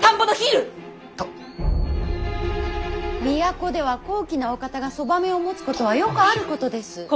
都では高貴なお方がそばめを持つことはよくあることです。